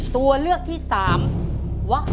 ตัวเลือกที่๓วักที่๓